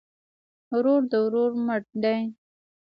ورور د ورور مټ دی